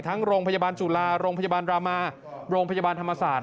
โรงพยาบาลจุฬาโรงพยาบาลรามาโรงพยาบาลธรรมศาสตร์